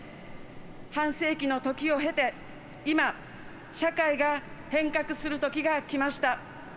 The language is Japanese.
半世紀の時を経て、今社会が変革するときがきました。